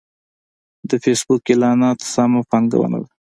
د فېسبوک اعلانات سمه پانګونه ده.